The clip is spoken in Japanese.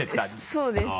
そうです。